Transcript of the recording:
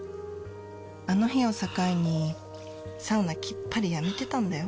あの日を境にサウナきっぱりやめてたんだよ。